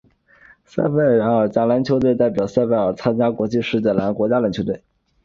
亚塞拜然国家篮球队为代表亚塞拜然参加国际赛事的国家篮球队。